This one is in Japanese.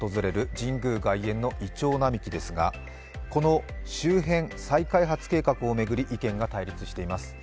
神宮外苑のイチョウ並木ですがこの周辺、再開発計画を巡り、意見が対立しています。